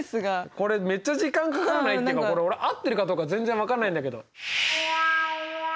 これめっちゃ時間かかんない？っていうかこれ俺合ってるかどうか全然分かんないんだけど。